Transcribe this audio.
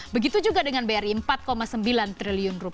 begitu juga dengan bri rp empat sembilan triliun